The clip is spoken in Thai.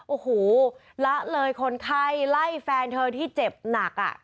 โอ้โหละเลยคนไข้ไล่แฟนเธอที่เจ็บหนัก